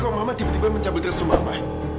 kok mama tiba tiba mencabutkan semua apa